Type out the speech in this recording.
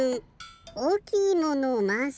おおきいものをまわす？